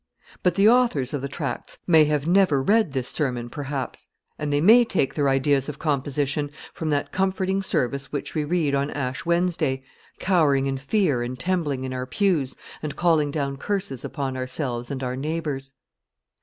But the authors of the tracts may have never read this sermon, perhaps; and they may take their ideas of composition from that comforting service which we read on Ash Wednesday, cowering in fear and trembling in our pews, and calling down curses upon ourselves and our neighbours.